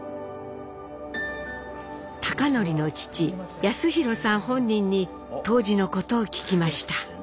貴教の父康宏さん本人に当時のことを聞きました。